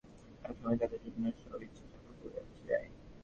কিন্তু পেশার ব্যস্ততায় আটকে একসময় তাদের অন্য সব ইচ্ছা চাপা পড়ে যায়।